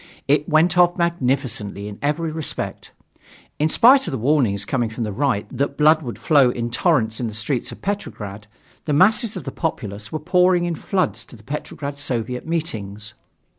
It went off magnificently in every respect. In spite of the warnings coming from the Right that blood would flow in torrents in the streets of Petrograd, the masses of the populace were pouring in floods to the Petrograd Soviet meetings.